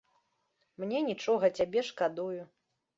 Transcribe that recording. Мне нічога, цябе шкадую.